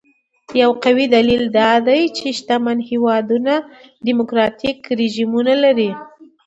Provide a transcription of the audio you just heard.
یو قوي دلیل دا دی چې شتمن هېوادونه ډیموکراټیک رژیمونه لري.